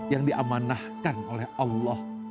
yang diamanahkan oleh allah